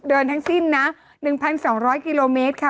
ทั้งสิ้นนะ๑๒๐๐กิโลเมตรค่ะ